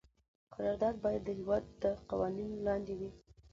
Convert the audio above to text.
قرارداد باید د هیواد تر قوانینو لاندې وي.